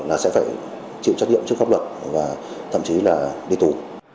là sẽ phải chịu trách nhiệm trước pháp luật và thậm chí là đi tù